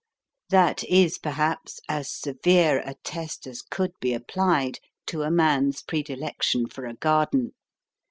That is, perhaps, as severe a test as could be applied to a man's predilection for a garden.